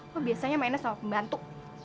kok biasanya mainnya sama pembantu